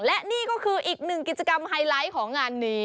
และนี่ก็คืออีกหนึ่งกิจกรรมไฮไลท์ของงานนี้